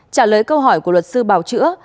trả lời câu hỏi của luật sư bào chữa